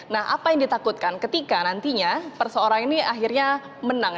nah apa yang ditakutkan ketika nantinya perseorang ini akhirnya menang